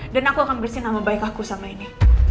dan aku akan bersihin nama baik aku sama nindy